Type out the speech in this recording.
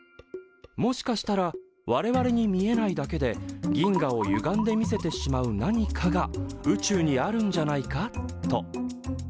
「もしかしたら我々に見えないだけで銀河をゆがんで見せてしまう何かが宇宙にあるんじゃないか？」と。